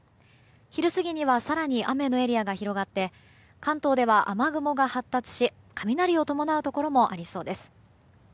昼過ぎには更に雨のエリアが広がって関東では雨雲が発達し雷を伴うところもありそうです。